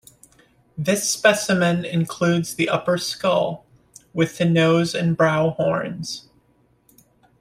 This specimen includes the upper skull, with the nose and brow horns.